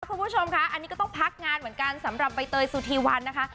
คุณผู้ชมค่ะอันนี้ก็ต้องพักงานเหมือนกันสำหรับใบเตยสุธีวันนะคะ